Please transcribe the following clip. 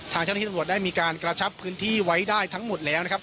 ทางเจ้าหน้าที่ตำรวจได้มีการกระชับพื้นที่ไว้ได้ทั้งหมดแล้วนะครับ